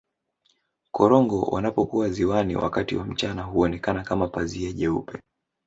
korongo wanapokuwa ziwani wakati wa mchana huonekana kama pazia jeupe